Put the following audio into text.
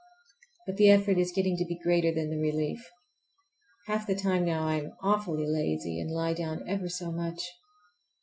But the effort is getting to be greater than the relief. Half the time now I am awfully lazy, and lie down ever so much.